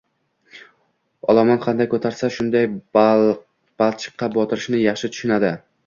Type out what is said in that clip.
Olomon qanday ko‘tarsa shunday balchiqqa botirishini yaxshi tushunadi.